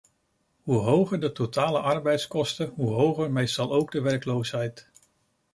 Hoe hoger de totale arbeidskosten, hoe hoger meestal ook de werkloosheid.